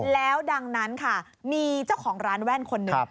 แล้วดังนั้นค่ะมีเจ้าของร้านแว่นคนหนึ่ง